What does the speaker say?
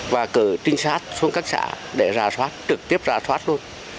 và cử trinh sát xuống các xã để ra soát trực tiếp ra thoát luôn